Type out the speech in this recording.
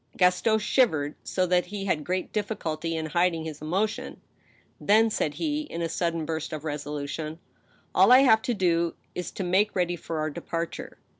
Gaston shivered, so that he had great difficulty in hiding his emotion. '" Then," said he, in a sudden burst of resolution, " all I have to do is to make ready for our departure."